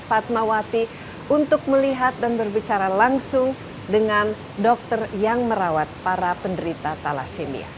fatmawati untuk melihat dan berbicara langsung dengan dokter yang merawat para penderita thalassemia